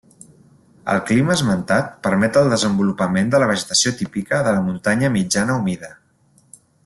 El clima esmentat permet el desenvolupament de la vegetació típica de la muntanya mitjana humida.